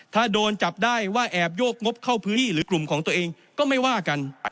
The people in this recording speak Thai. ถ้าโดนจับได้ว่าแอบโยกงบเข้าพื้นที่หรือกลุ่มของตัวเองก็ไม่ว่ากัน